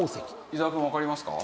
伊沢くんわかりますか？